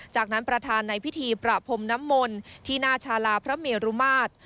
จากนั้นประธานในพิธีประพรมน้ำมนต์ที่หน้าชาลาพระเมรุมาตร